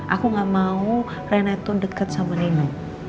aku gak mau reina itu dekat sama nino